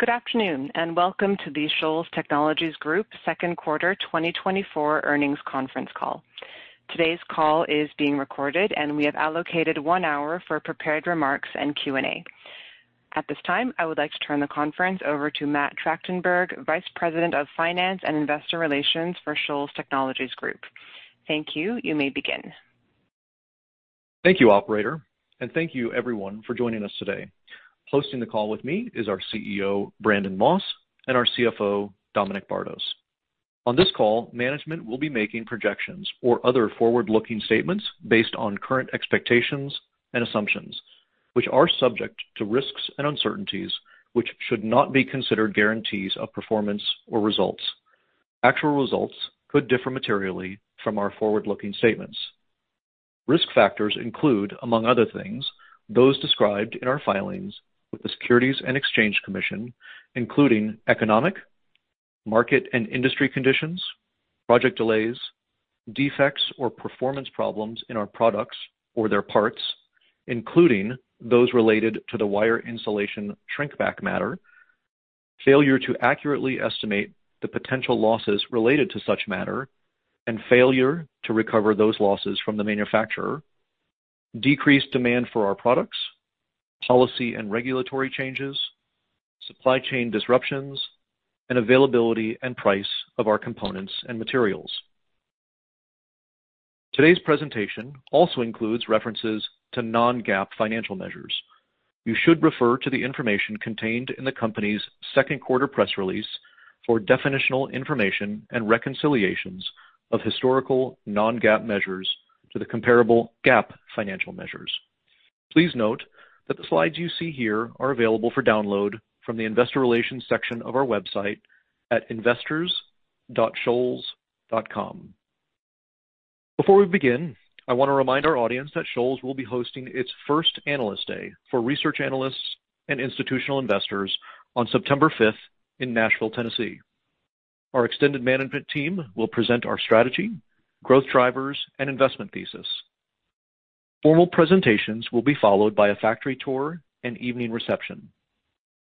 Good afternoon, and welcome to the Shoals Technologies Group second quarter 2024 earnings conference call. Today's call is being recorded, and we have allocated one hour for prepared remarks and Q&A. At this time, I would like to turn the conference over to Matt Trachtenberg, Vice President of Finance and Investor Relations for Shoals Technologies Group. Thank you. You may begin. Thank you, operator, and thank you everyone for joining us today. Hosting the call with me is our CEO, Brandon Moss, and our CFO, Dominic Bardos. On this call, management will be making projections or other forward-looking statements based on current expectations and assumptions, which are subject to risks and uncertainties, which should not be considered guarantees of performance or results. Actual results could differ materially from our forward-looking statements. Risk factors include, among other things, those described in our filings with the Securities and Exchange Commission, including economic, market, and industry conditions, project delays, defects or performance problems in our products or their parts, including those related to the wire insulation shrinkback matter, failure to accurately estimate the potential losses related to such matter, and failure to recover those losses from the manufacturer, decreased demand for our products, policy and regulatory changes, supply chain disruptions, and availability and price of our components and materials. Today's presentation also includes references to non-GAAP financial measures. You should refer to the information contained in the company's second quarter press release for definitional information and reconciliations of historical non-GAAP measures to the comparable GAAP financial measures. Please note that the slides you see here are available for download from the Investor Relations section of our website at investors.shoals.com. Before we begin, I want to remind our audience that Shoals will be hosting its first Analyst Day for research analysts and institutional investors on September fifth in Nashville, Tennessee. Our extended management team will present our strategy, growth drivers, and investment thesis. Formal presentations will be followed by a factory tour and evening reception.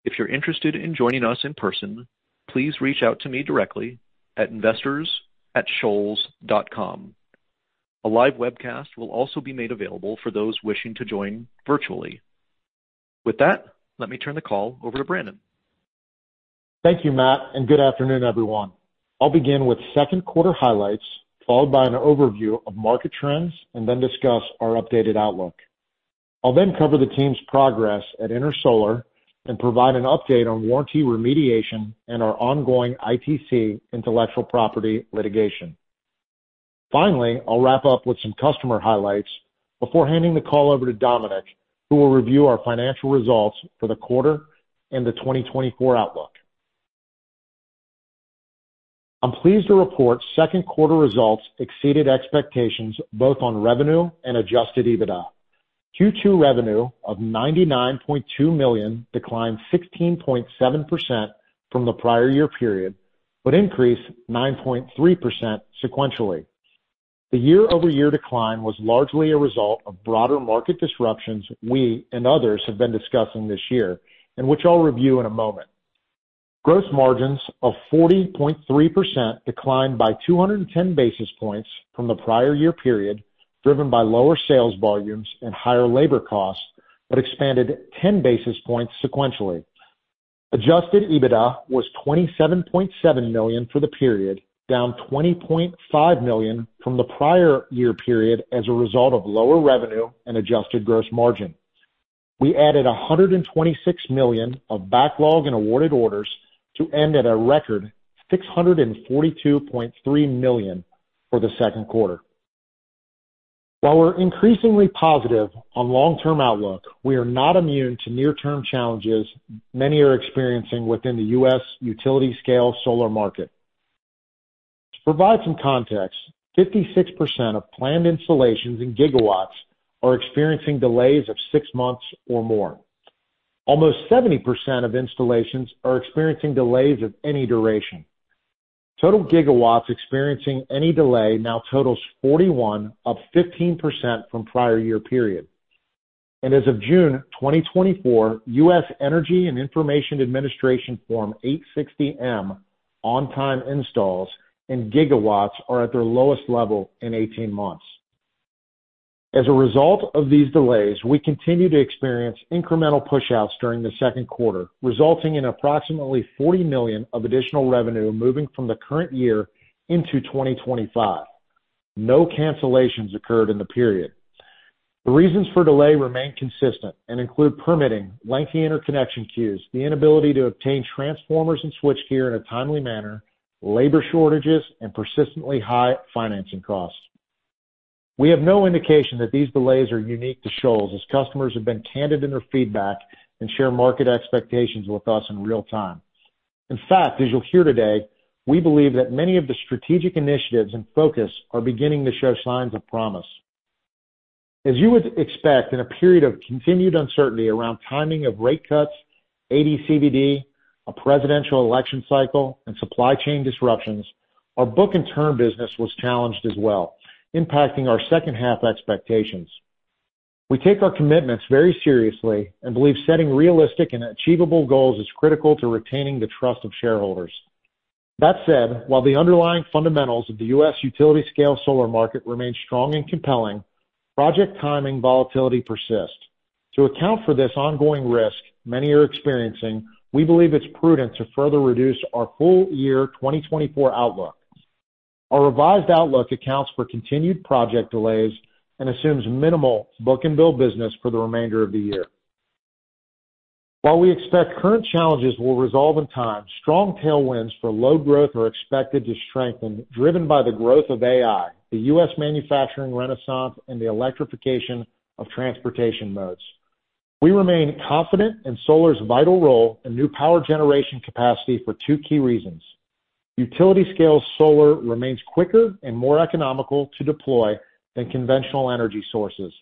If you're interested in joining us in person, please reach out to me directly at investors@shoals.com. A live webcast will also be made available for those wishing to join virtually. With that, let me turn the call over to Brandon. Thank you, Matt, and good afternoon, everyone. I'll begin with second quarter highlights, followed by an overview of market trends, and then discuss our updated outlook. I'll then cover the team's progress at Intersolar and provide an update on warranty remediation and our ongoing ITC intellectual property litigation. Finally, I'll wrap up with some customer highlights before handing the call over to Dominic, who will review our financial results for the quarter and the 2024 outlook. I'm pleased to report second quarter results exceeded expectations, both on revenue and Adjusted EBITDA. Q2 revenue of $99.2 million declined 16.7% from the prior year period, but increased 9.3% sequentially. The year-over-year decline was largely a result of broader market disruptions we and others have been discussing this year, and which I'll review in a moment. Gross margins of 40.3% declined by 210 basis points from the prior year period, driven by lower sales volumes and higher labor costs, but expanded 10 basis points sequentially. Adjusted EBITDA was $27.7 million for the period, down $20.5 million from the prior year period as a result of lower revenue and adjusted gross margin. We added $126 million of backlog and awarded orders to end at a record $642.3 million for the second quarter. While we're increasingly positive on long-term outlook, we are not immune to near-term challenges many are experiencing within the U.S. utility-scale solar market. To provide some context, 56% of planned installations in gigawatts are experiencing delays of six months or more. Almost 70% of installations are experiencing delays of any duration. Total gigawatts experiencing any delay now totals 41, up 15% from prior year period. And as of June 2024, U.S. Energy and Information Administration Form EIA-860M on-time installs and gigawatts are at their lowest level in 18 months. As a result of these delays, we continue to experience incremental pushouts during the second quarter, resulting in approximately $40 million of additional revenue moving from the current year into 2025. No cancellations occurred in the period. The reasons for delay remain consistent and include permitting, lengthy interconnection queues, the inability to obtain transformers and switchgear in a timely manner, labor shortages, and persistently high financing costs. We have no indication that these delays are unique to Shoals, as customers have been candid in their feedback and share market expectations with us in real time. In fact, as you'll hear today, we believe that many of the strategic initiatives and focus are beginning to show signs of promise. As you would expect in a period of continued uncertainty around timing of rate cuts, ADCVD, a presidential election cycle, and supply chain disruptions, our book-and-turn business was challenged as well, impacting our second-half expectations. We take our commitments very seriously and believe setting realistic and achievable goals is critical to retaining the trust of shareholders. That said, while the underlying fundamentals of the U.S. utility-scale solar market remain strong and compelling, project timing volatility persist. To account for this ongoing risk many are experiencing, we believe it's prudent to further reduce our full year 2024 outlook. Our revised outlook accounts for continued project delays and assumes minimal book-and-bill business for the remainder of the year. While we expect current challenges will resolve in time, strong tailwinds for solar growth are expected to strengthen, driven by the growth of AI, the U.S. manufacturing renaissance, and the electrification of transportation modes. We remain confident in solar's vital role in new power generation capacity for two key reasons: utility-scale solar remains quicker and more economical to deploy than conventional energy sources,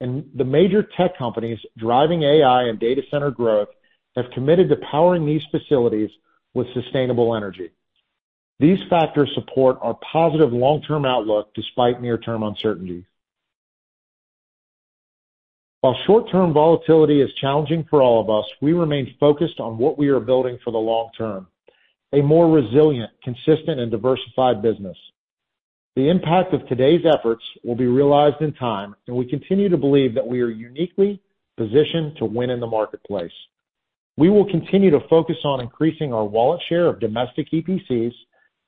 and the major tech companies driving AI and data center growth have committed to powering these facilities with sustainable energy. These factors support our positive long-term outlook despite near-term uncertainties. While short-term volatility is challenging for all of us, we remain focused on what we are building for the long term, a more resilient, consistent, and diversified business. The impact of today's efforts will be realized in time, and we continue to believe that we are uniquely positioned to win in the marketplace. We will continue to focus on increasing our wallet share of domestic EPCs,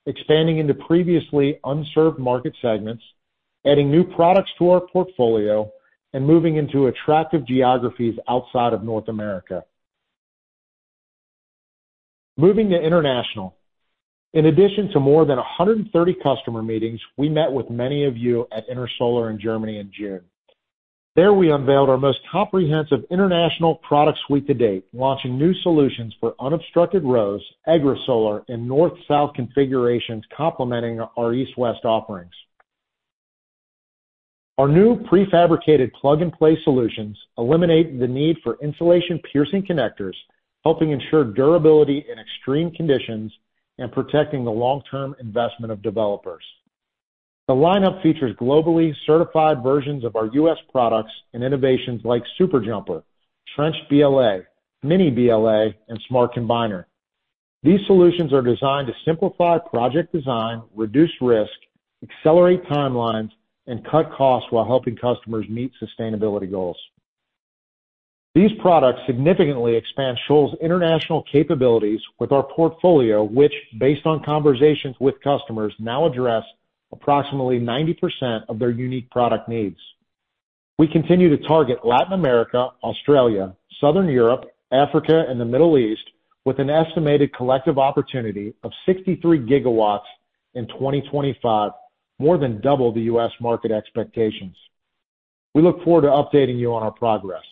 expanding into previously unserved market segments, adding new products to our portfolio, and moving into attractive geographies outside of North America. Moving to international. In addition to more than 130 customer meetings, we met with many of you at Intersolar in Germany in June. There, we unveiled our most comprehensive international product suite to date, launching new solutions for unobstructed rows, agri-solar, and north-south configurations complementing our east-west offerings. Our new prefabricated plug-and-play solutions eliminate the need for insulation-piercing connectors, helping ensure durability in extreme conditions and protecting the long-term investment of developers. The lineup features globally certified versions of our U.S. products and innovations like SuperJumper, Trenched BLA, Mini BLA, and Smart Combiner. These solutions are designed to simplify project design, reduce risk, accelerate timelines, and cut costs while helping customers meet sustainability goals. These products significantly expand Shoals' international capabilities with our portfolio, which, based on conversations with customers, now address approximately 90% of their unique product needs. We continue to target Latin America, Australia, Southern Europe, Africa, and the Middle East, with an estimated collective opportunity of 63 gigawatts in 2025, more than double the U.S. market expectations. We look forward to updating you on our progress.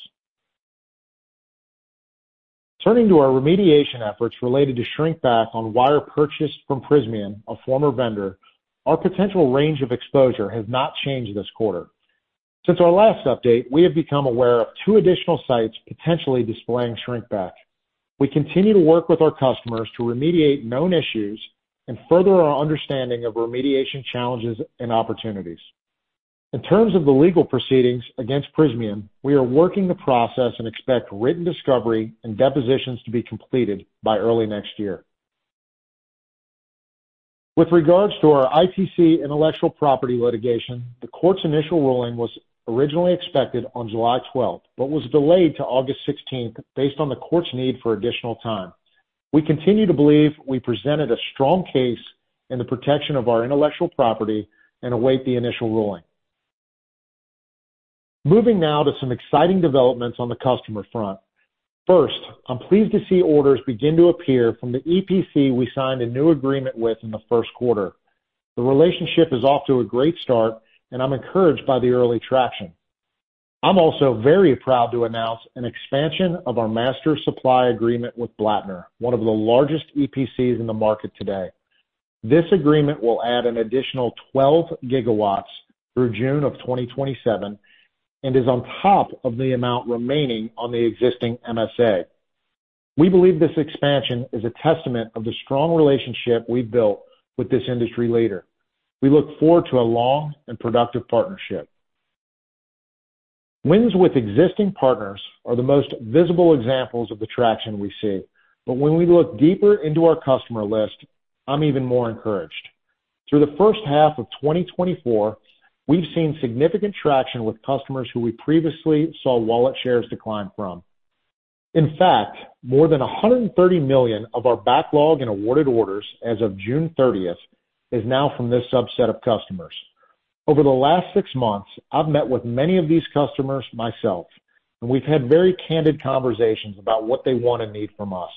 Turning to our remediation efforts related to shrink back on wire purchased from Prysmian, a former vendor, our potential range of exposure has not changed this quarter. Since our last update, we have become aware of two additional sites potentially displaying shrink back. We continue to work with our customers to remediate known issues and further our understanding of remediation challenges and opportunities. In terms of the legal proceedings against Prysmian, we are working the process and expect written discovery and depositions to be completed by early next year. With regards to our ITC intellectual property litigation, the court's initial ruling was originally expected on July 12, but was delayed to August 16 based on the court's need for additional time. We continue to believe we presented a strong case in the protection of our intellectual property and await the initial ruling. Moving now to some exciting developments on the customer front. First, I'm pleased to see orders begin to appear from the EPC we signed a new agreement with in the first quarter. The relationship is off to a great start, and I'm encouraged by the early traction. I'm also very proud to announce an expansion of our master supply agreement with Blattner, one of the largest EPCs in the market today. This agreement will add an additional 12 GW through June of 2027 and is on top of the amount remaining on the existing MSA. We believe this expansion is a testament of the strong relationship we've built with this industry leader. We look forward to a long and productive partnership. Wins with existing partners are the most visible examples of the traction we see, but when we look deeper into our customer list, I'm even more encouraged. Through the first half of 2024, we've seen significant traction with customers who we previously saw wallet shares decline from. In fact, more than $130 million of our backlog in awarded orders as of June 30th is now from this subset of customers. Over the last six months, I've met with many of these customers myself, and we've had very candid conversations about what they want and need from us.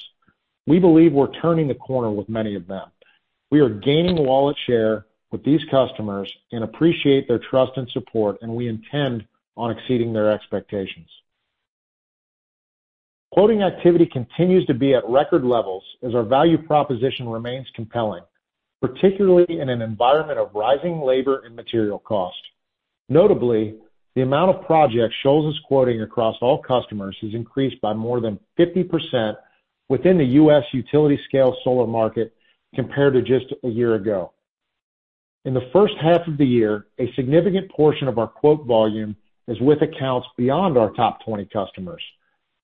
We believe we're turning the corner with many of them. We are gaining wallet share with these customers and appreciate their trust and support, and we intend on exceeding their expectations. Quoting activity continues to be at record levels as our value proposition remains compelling, particularly in an environment of rising labor and material cost. Notably, the amount of projects Shoals is quoting across all customers has increased by more than 50% within the U.S. utility-scale solar market compared to just a year ago.... In the first half of the year, a significant portion of our quote volume is with accounts beyond our top 20 customers.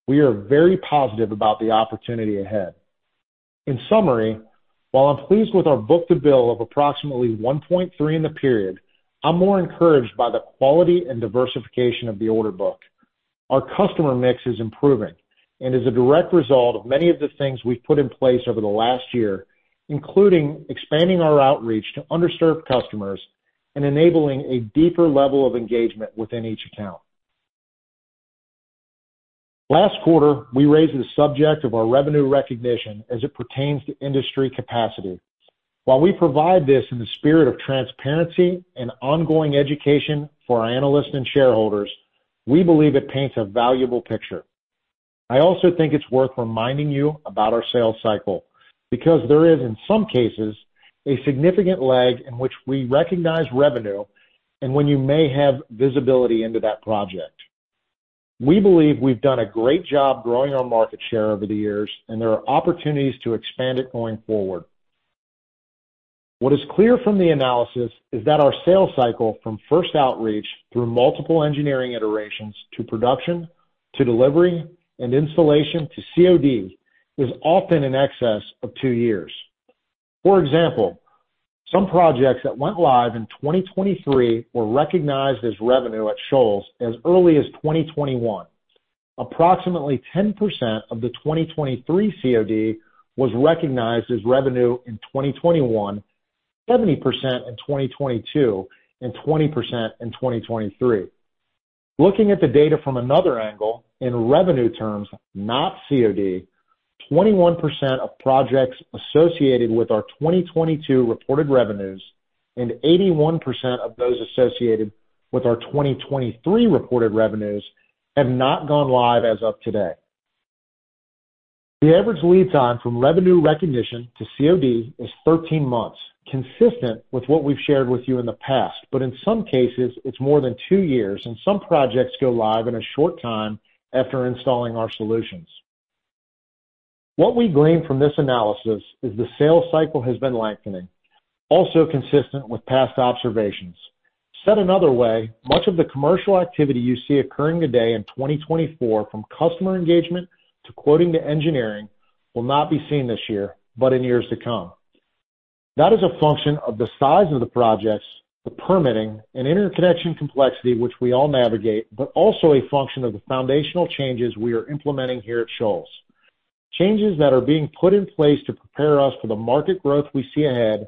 We are very positive about the opportunity ahead. In summary, while I'm pleased with our book-to-bill of approximately 1.3 in the period, I'm more encouraged by the quality and diversification of the order book. Our customer mix is improving and is a direct result of many of the things we've put in place over the last year, including expanding our outreach to underserved customers and enabling a deeper level of engagement within each account. Last quarter, we raised the subject of our revenue recognition as it pertains to industry capacity. While we provide this in the spirit of transparency and ongoing education for our analysts and shareholders, we believe it paints a valuable picture. I also think it's worth reminding you about our sales cycle, because there is, in some cases, a significant lag in which we recognize revenue and when you may have visibility into that project. We believe we've done a great job growing our market share over the years, and there are opportunities to expand it going forward. What is clear from the analysis is that our sales cycle, from first outreach through multiple engineering iterations to production, to delivery and installation, to COD, is often in excess of two years. For example, some projects that went live in 2023 were recognized as revenue at Shoals as early as 2021. Approximately 10% of the 2023 COD was recognized as revenue in 2021, 70% in 2022, and 20% in 2023. Looking at the data from another angle, in revenue terms, not COD, 21% of projects associated with our 2022 reported revenues and 81% of those associated with our 2023 reported revenues have not gone live as of today. The average lead time from revenue recognition to COD is 13 months, consistent with what we've shared with you in the past, but in some cases, it's more than 2 years, and some projects go live in a short time after installing our solutions. What we glean from this analysis is the sales cycle has been lengthening, also consistent with past observations. Said another way, much of the commercial activity you see occurring today in 2024, from customer engagement to quoting to engineering, will not be seen this year, but in years to come. That is a function of the size of the projects, the permitting, and interconnection complexity, which we all navigate, but also a function of the foundational changes we are implementing here at Shoals. Changes that are being put in place to prepare us for the market growth we see ahead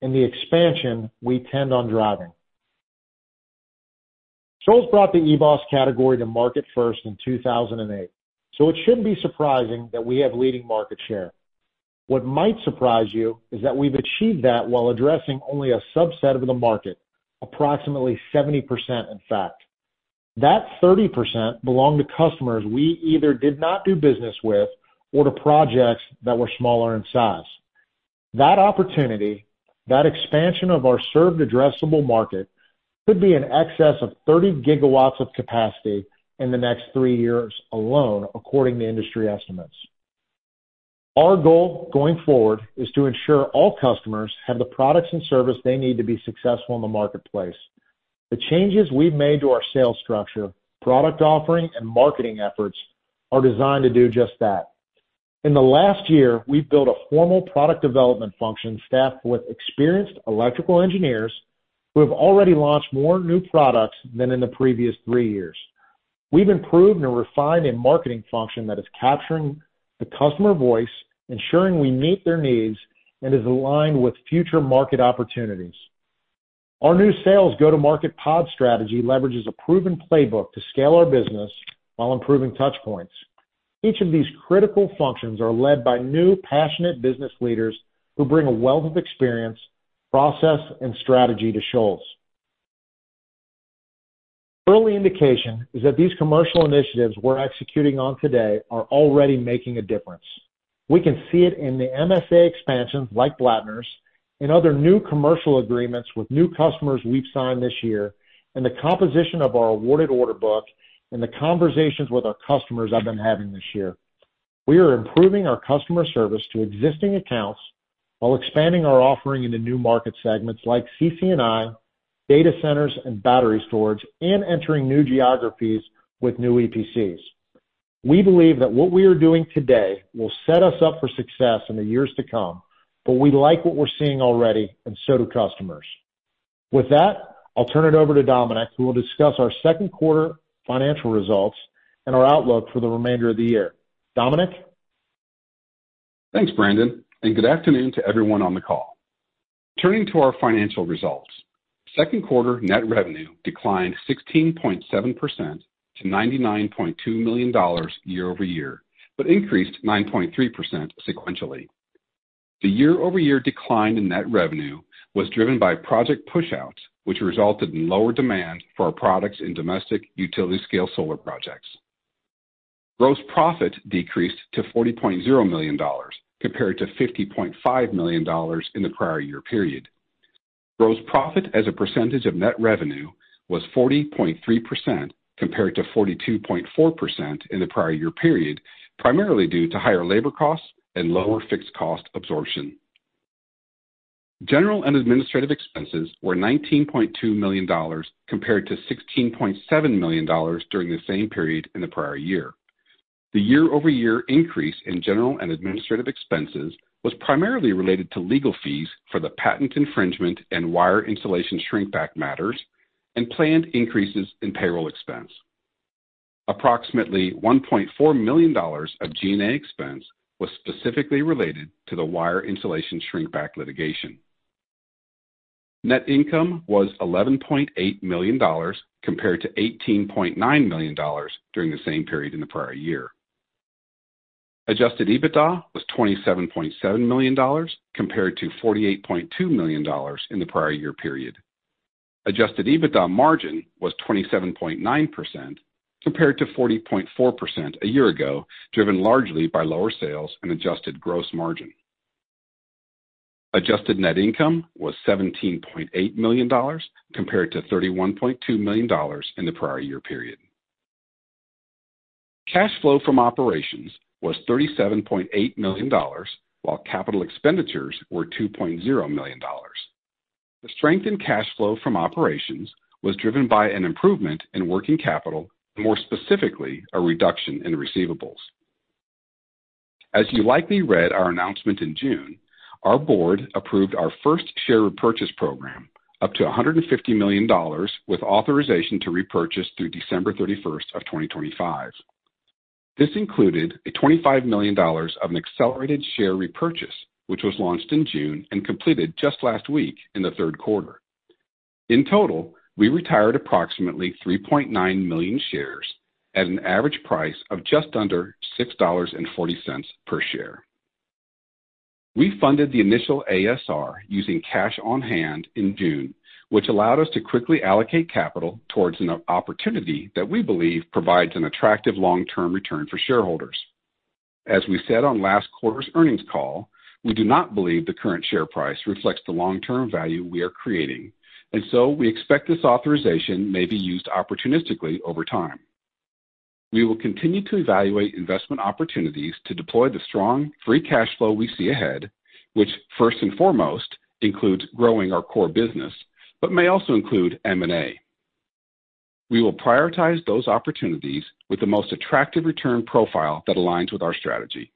and the expansion we intend on driving. Shoals brought the EBOS category to market first in 2008, so it shouldn't be surprising that we have leading market share. What might surprise you is that we've achieved that while addressing only a subset of the market, approximately 70%, in fact. That 30% belong to customers we either did not do business with or to projects that were smaller in size. That opportunity, that expansion of our served addressable market, could be in excess of 30 GW of capacity in the next three years alone, according to industry estimates. Our goal going forward is to ensure all customers have the products and service they need to be successful in the marketplace. The changes we've made to our sales structure, product offering, and marketing efforts are designed to do just that. In the last year, we've built a formal product development function, staffed with experienced electrical engineers. We've already launched more new products than in the previous 3 years. We've improved and refined a marketing function that is capturing the customer voice, ensuring we meet their needs, and is aligned with future market opportunities. Our new sales go-to-market pod strategy leverages a proven playbook to scale our business while improving touch points. Each of these critical functions are led by new, passionate business leaders who bring a wealth of experience, process, and strategy to Shoals. Early indication is that these commercial initiatives we're executing on today are already making a difference. We can see it in the MSA expansions, like Blattner's, in other new commercial agreements with new customers we've signed this year, and the composition of our awarded order book, and the conversations with our customers I've been having this year. We are improving our customer service to existing accounts while expanding our offering into new market segments like C&I data centers, and battery storage, and entering new geographies with new EPCs. We believe that what we are doing today will set us up for success in the years to come, but we like what we're seeing already, and so do customers. With that, I'll turn it over to Dominic, who will discuss our second quarter financial results and our outlook for the remainder of the year. Dominic? Thanks, Brandon, and good afternoon to everyone on the call. Turning to our financial results. Second quarter net revenue declined 16.7% to $99.2 million year over year, but increased 9.3% sequentially. The year-over-year decline in net revenue was driven by project pushouts, which resulted in lower demand for our products in domestic utility scale solar projects. Gross profit decreased to $40.0 million, compared to $50.5 million in the prior year period. Gross profit as a percentage of net revenue was 40.3% compared to 42.4% in the prior year period, primarily due to higher labor costs and lower fixed cost absorption. General and administrative expenses were $19.2 million, compared to $16.7 million during the same period in the prior year. The year-over-year increase in general and administrative expenses was primarily related to legal fees for the patent infringement and wire insulation shrink back matters, and planned increases in payroll expense. Approximately $1.4 million of G&A expense was specifically related to the wire insulation shrink back litigation. Net income was $11.8 million, compared to $18.9 million during the same period in the prior year. Adjusted EBITDA was $27.7 million, compared to $48.2 million in the prior year period. Adjusted EBITDA margin was 27.9%, compared to 40.4% a year ago, driven largely by lower sales and adjusted gross margin. Adjusted net income was $17.8 million, compared to $31.2 million in the prior year period. Cash flow from operations was $37.8 million, while capital expenditures were $2.0 million. The strength in cash flow from operations was driven by an improvement in working capital, more specifically, a reduction in receivables. As you likely read our announcement in June, our board approved our first share repurchase program up to $150 million, with authorization to repurchase through December 31, 2025. This included $25 million of an accelerated share repurchase, which was launched in June and completed just last week in the third quarter. In total, we retired approximately 3.9 million shares at an average price of just under $6.40 per share. We funded the initial ASR using cash on hand in June, which allowed us to quickly allocate capital towards an opportunity that we believe provides an attractive long-term return for shareholders. As we said on last quarter's earnings call, we do not believe the current share price reflects the long-term value we are creating, and so we expect this authorization may be used opportunistically over time. We will continue to evaluate investment opportunities to deploy the strong free cash flow we see ahead, which first and foremost, includes growing our core business, but may also include M&A. We will prioritize those opportunities with the most attractive return profile that aligns with our strategy.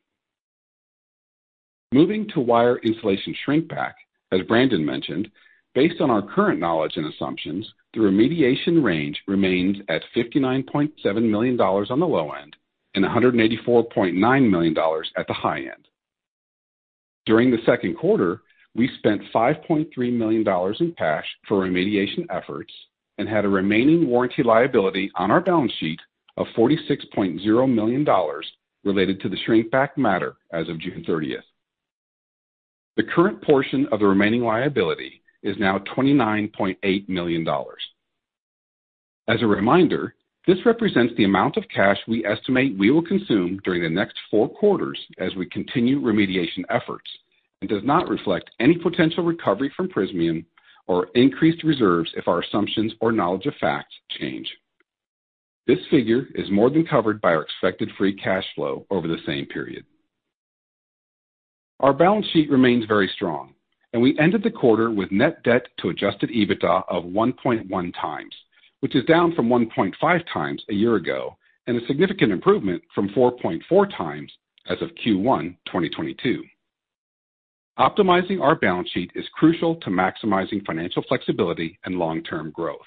Moving to wire insulation shrink back, as Brandon mentioned, based on our current knowledge and assumptions, the remediation range remains at $59.7 million on the low end and $184.9 million at the high end. During the second quarter, we spent $5.3 million in cash for remediation efforts and had a remaining warranty liability on our balance sheet of $46.0 million related to the shrink back matter as of June thirtieth. The current portion of the remaining liability is now $29.8 million. As a reminder, this represents the amount of cash we estimate we will consume during the next four quarters as we continue remediation efforts, and does not reflect any potential recovery from Prysmian or increased reserves if our assumptions or knowledge of facts change. This figure is more than covered by our expected free cash flow over the same period. Our balance sheet remains very strong, and we ended the quarter with net debt to adjusted EBITDA of 1.1 times, which is down from 1.5 times a year ago, and a significant improvement from 4.4x as of Q1 2022. Optimizing our balance sheet is crucial to maximizing financial flexibility and long-term growth.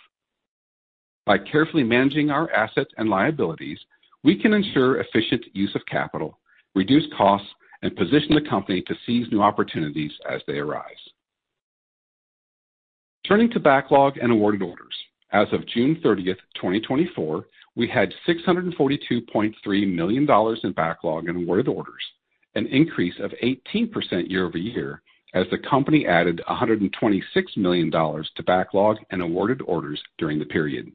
By carefully managing our assets and liabilities, we can ensure efficient use of capital, reduce costs, and position the company to seize new opportunities as they arise. Turning to backlog and awarded orders. As of June 30, 2024, we had $642.3 million in backlog and awarded orders, an increase of 18% year-over-year, as the company added $126 million to backlog and awarded orders during the period.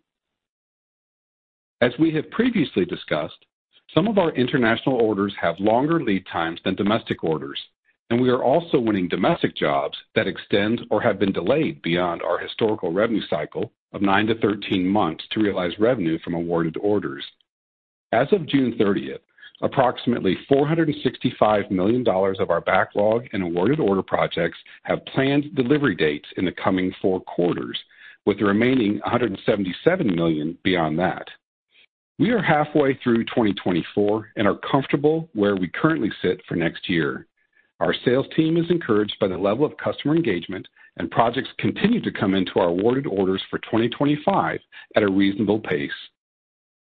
As we have previously discussed, some of our international orders have longer lead times than domestic orders, and we are also winning domestic jobs that extend or have been delayed beyond our historical revenue cycle of 9 to 13 months to realize revenue from awarded orders. As of June 30, 2024, approximately $465 million of our backlog and awarded order projects have planned delivery dates in the coming 4 quarters, with the remaining $177 million beyond that. We are halfway through 2024 and are comfortable where we currently sit for next year. Our sales team is encouraged by the level of customer engagement, and projects continue to come into our awarded orders for 2025 at a reasonable pace.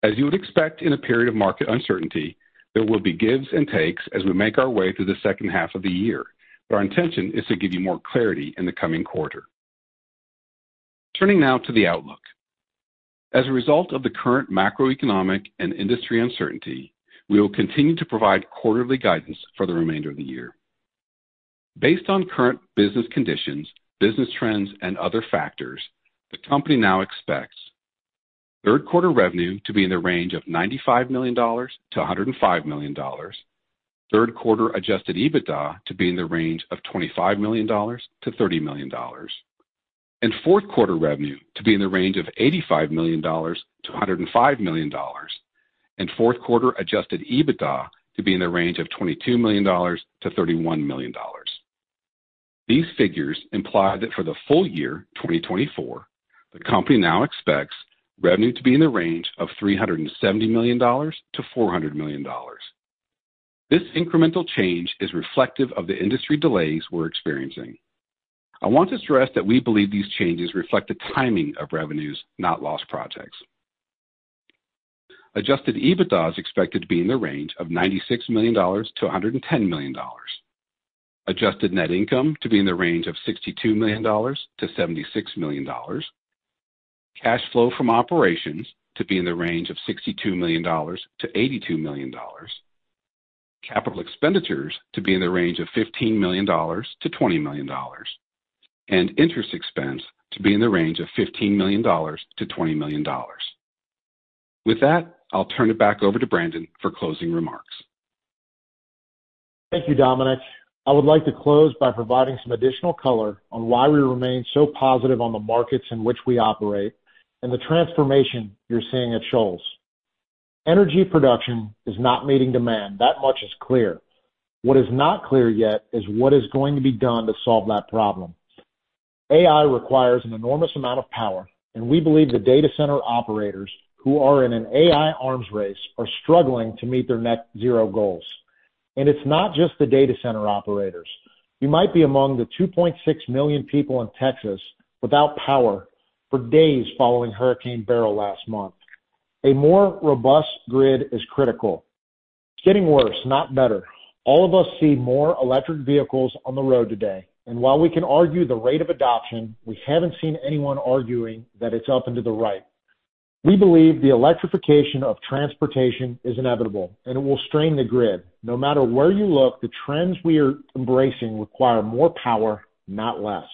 As you would expect in a period of market uncertainty, there will be gives and takes as we make our way through the second half of the year, but our intention is to give you more clarity in the coming quarter. Turning now to the outlook. As a result of the current macroeconomic and industry uncertainty, we will continue to provide quarterly guidance for the remainder of the year. Based on current business conditions, business trends, and other factors, the company now expects third quarter revenue to be in the range of $95 million-$105 million. Third quarter adjusted EBITDA to be in the range of $25 million-$30 million, and fourth quarter revenue to be in the range of $85 million-$105 million, and fourth quarter adjusted EBITDA to be in the range of $22 million-$31 million. These figures imply that for the full year, 2024, the company now expects revenue to be in the range of $370 million-$400 million. This incremental change is reflective of the industry delays we're experiencing. I want to stress that we believe these changes reflect the timing of revenues, not lost projects. Adjusted EBITDA is expected to be in the range of $96 million-$110 million. Adjusted net income to be in the range of $62 million-$76 million. Cash flow from operations to be in the range of $62 million-$82 million. Capital expenditures to be in the range of $15 million-$20 million, and interest expense to be in the range of $15 million-$20 million. With that, I'll turn it back over to Brandon for closing remarks. Thank you, Dominic. I would like to close by providing some additional color on why we remain so positive on the markets in which we operate and the transformation you're seeing at Shoals. Energy production is not meeting demand. That much is clear. What is not clear yet is what is going to be done to solve that problem. AI requires an enormous amount of power, and we believe the data center operators who are in an AI arms race are struggling to meet their net zero goals. And it's not just the data center operators. You might be among the 2.6 million people in Texas without power for days following Hurricane Beryl last month. A more robust grid is critical. It's getting worse, not better. All of us see more electric vehicles on the road today, and while we can argue the rate of adoption, we haven't seen anyone arguing that it's up into the right. We believe the electrification of transportation is inevitable, and it will strain the grid. No matter where you look, the trends we are embracing require more power, not less.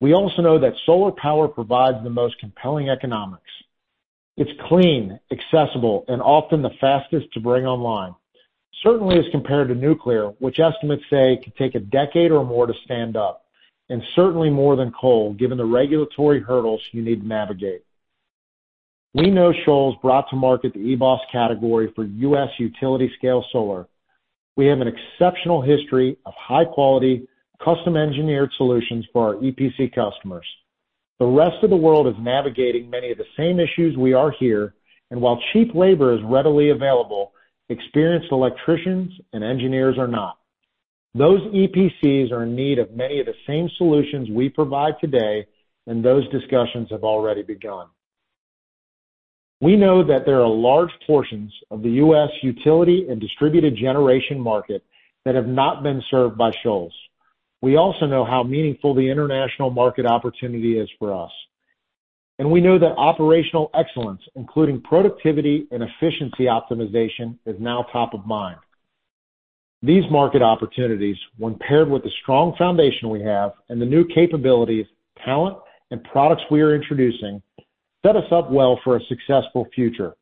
We also know that solar power provides the most compelling economics. It's clean, accessible, and often the fastest to bring online. Certainly, as compared to nuclear, which estimates say can take a decade or more to stand up, and certainly more than coal, given the regulatory hurdles you need to navigate. We know Shoals brought to market the EBOS category for U.S. utility scale solar. We have an exceptional history of high-quality, custom-engineered solutions for our EPC customers. The rest of the world is navigating many of the same issues we are here, and while cheap labor is readily available, experienced electricians and engineers are not. Those EPCs are in need of many of the same solutions we provide today, and those discussions have already begun. We know that there are large portions of the U.S. utility and distributed generation market that have not been served by Shoals. We also know how meaningful the international market opportunity is for us, and we know that operational excellence, including productivity and efficiency optimization, is now top of mind. These market opportunities, when paired with the strong foundation we have and the new capabilities, talent, and products we are introducing, set us up well for a successful future.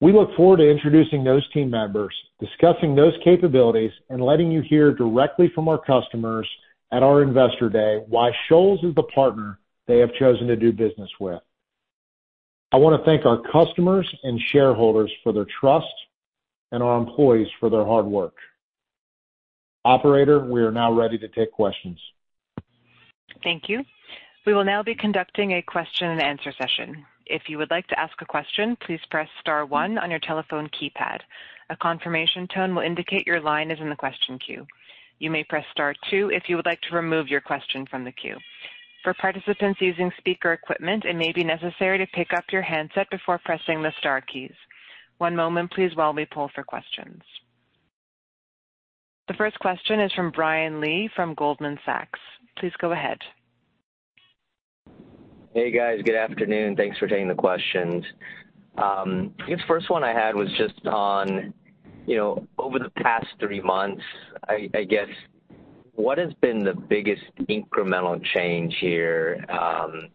We look forward to introducing those team members, discussing those capabilities, and letting you hear directly from our customers at our Investor Day why Shoals is the partner they have chosen to do business with. I want to thank our customers and shareholders for their trust and our employees for their hard work. Operator, we are now ready to take questions. Thank you. We will now be conducting a question-and-answer session. If you would like to ask a question, please press star one on your telephone keypad. A confirmation tone will indicate your line is in the question queue. You may press Star two if you would like to remove your question from the queue. For participants using speaker equipment, it may be necessary to pick up your handset before pressing the star keys. One moment please, while we pull for questions. The first question is from Brian Lee, from Goldman Sachs. Please go ahead. Hey, guys. Good afternoon. Thanks for taking the questions. I guess the first one I had was just on, you know, over the past three months, I guess, what has been the biggest incremental change here,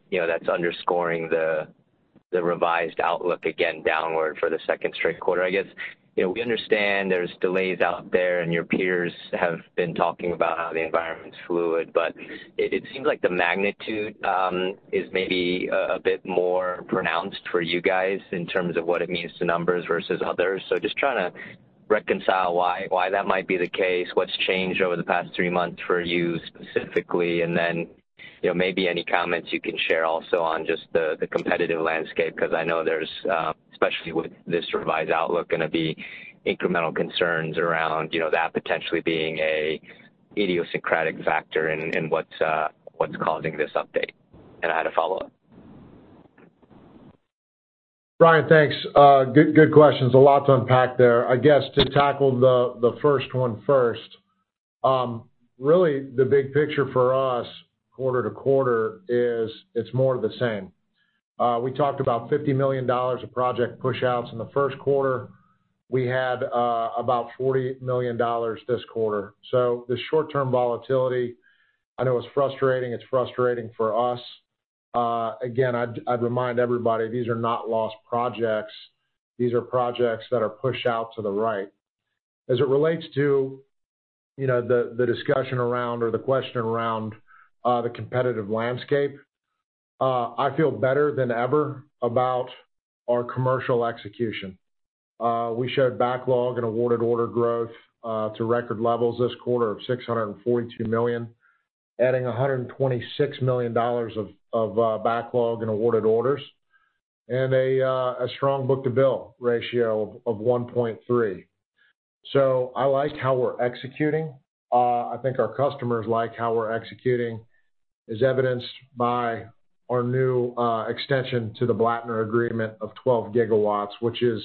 you know, that's underscoring the revised outlook again, downward for the second straight quarter? I guess, you know, we understand there's delays out there and your peers have been talking about how the environment's fluid, but it seems like the magnitude is maybe a bit more pronounced for you guys in terms of what it means to numbers versus others. So just trying to reconcile why, why that might be the case, what's changed over the past three months for you specifically, and then, you know, maybe any comments you can share also on just the competitive landscape, because I know there's, especially with this revised outlook, gonna be incremental concerns around, you know, that potentially being an idiosyncratic factor in what's causing this update. And I had a follow-up. Brian, thanks. Good, good questions. A lot to unpack there. I guess, to tackle the, the first one first, really the big picture for us quarter to quarter is it's more of the same. We talked about $50 million of project pushouts in the first quarter.... we had about $40 million this quarter. So the short-term volatility, I know it's frustrating. It's frustrating for us. Again, I'd remind everybody, these are not lost projects. These are projects that are pushed out to the right. As it relates to, you know, the discussion around or the question around the competitive landscape, I feel better than ever about our commercial execution. We showed backlog and awarded order growth to record levels this quarter of $642 million, adding $126 million of backlog and awarded orders, and a strong book-to-bill ratio of 1.3. So I like how we're executing. I think our customers like how we're executing, as evidenced by our new extension to the Blattner agreement of 12 gigawatts, which is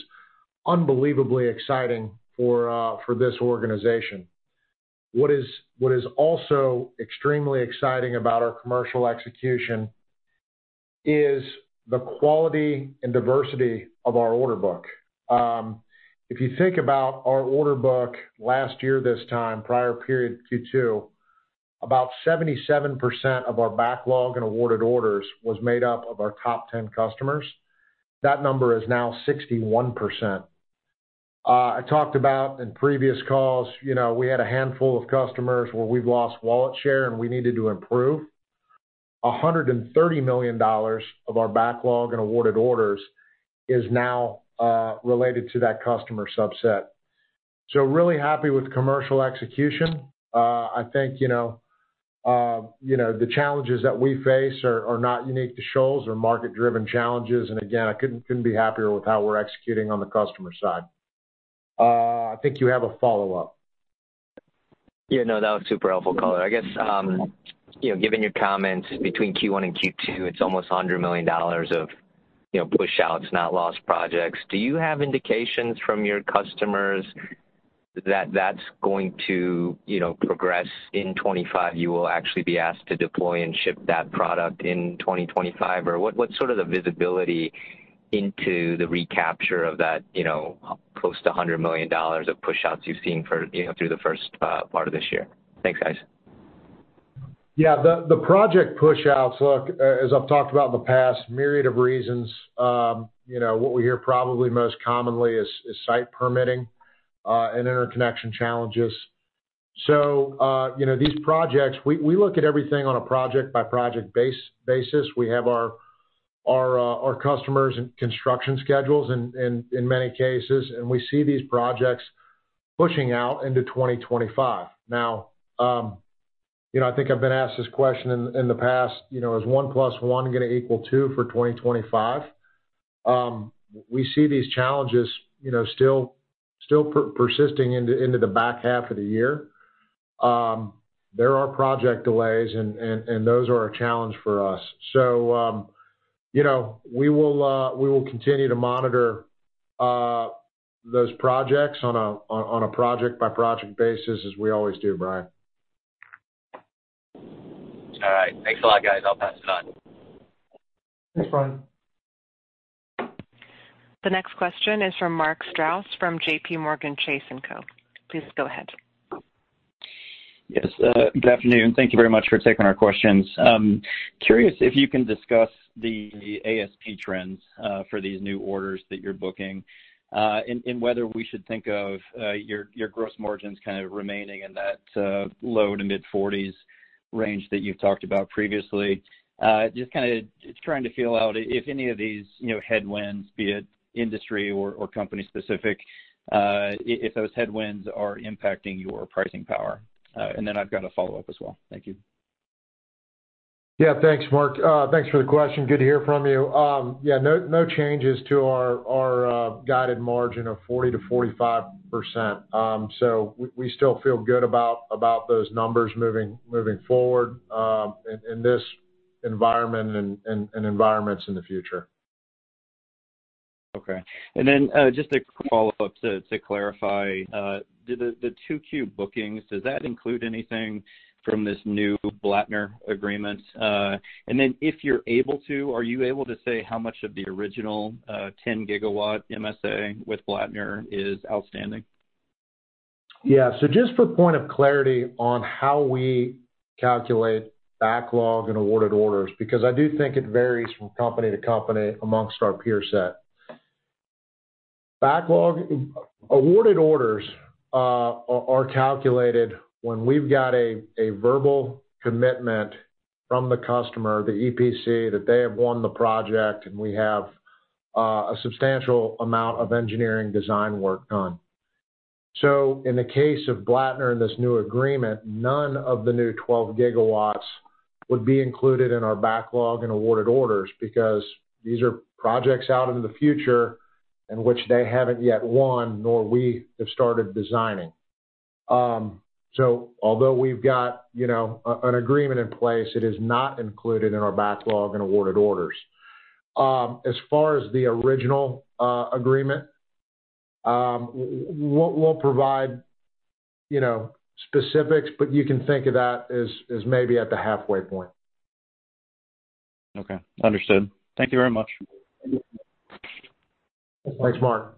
unbelievably exciting for this organization. What is also extremely exciting about our commercial execution is the quality and diversity of our order book. If you think about our order book last year, this time, prior period Q2, about 77% of our backlog and awarded orders was made up of our top 10 customers. That number is now 61%. I talked about in previous calls, you know, we had a handful of customers where we've lost wallet share, and we needed to improve. $130 million of our backlog and awarded orders is now related to that customer subset. So really happy with commercial execution. I think, you know, the challenges that we face are not unique to Shoals or market-driven challenges, and again, I couldn't be happier with how we're executing on the customer side. I think you have a follow-up. Yeah, no, that was super helpful, color. I guess, you know, given your comments between Q1 and Q2, it's almost $100 million of, you know, pushouts, not lost projects. Do you have indications from your customers that that's going to, you know, progress in 2025? You will actually be asked to deploy and ship that product in 2025, or what, what's sort of the visibility into the recapture of that, you know, close to $100 million of pushouts you've seen for, you know, through the first part of this year? Thanks, guys. Yeah, the project pushouts, look, as I've talked about in the past, myriad of reasons, you know, what we hear probably most commonly is site permitting and interconnection challenges. So, you know, these projects, we look at everything on a project-by-project basis. We have our customers' construction schedules in many cases, and we see these projects pushing out into 2025. Now, you know, I think I've been asked this question in the past, you know, does one plus one gonna equal two for 2025? We see these challenges, you know, still persisting into the back half of the year. There are project delays, and those are a challenge for us. So, you know, we will, we will continue to monitor those projects on a project-by-project basis, as we always do, Brian. All right. Thanks a lot, guys. I'll pass it on. Thanks, Brian. The next question is from Mark Strouse from JPMorgan Chase & Co. Please go ahead. Yes, good afternoon. Thank you very much for taking our questions. Curious if you can discuss the ASP trends for these new orders that you're booking, and, and whether we should think of your, your gross margins kind of remaining in that low- to mid-40s range that you've talked about previously. Just kind of just trying to feel out if any of these, you know, headwinds, be it industry or, or company specific, if those headwinds are impacting your pricing power. And then I've got a follow-up as well. Thank you. Yeah, thanks, Mark. Thanks for the question. Good to hear from you. Yeah, no changes to our guided margin of 40%-45%. So we still feel good about those numbers moving forward in this environment and environments in the future. Okay. And then, just a quick follow-up to clarify, do the 2Q bookings include anything from this new Blattner agreement? And then if you're able to, are you able to say how much of the original 10-gigawatt MSA with Blattner is outstanding? Yeah. So just for point of clarity on how we calculate backlog and awarded orders, because I do think it varies from company to company among our peer set. Backlog-awarded orders are calculated when we've got a verbal commitment from the customer, the EPC, that they have won the project, and we have a substantial amount of engineering design work done. So in the case of Blattner and this new agreement, none of the new 12 gigawatts would be included in our backlog and awarded orders because these are projects out into the future in which they haven't yet won, nor we have started designing. So although we've got, you know, an agreement in place, it is not included in our backlog and awarded orders. As far as the original agreement, we'll provide, you know, specifics, but you can think of that as maybe at the halfway point.... Okay, understood. Thank you very much. Thanks, Mark.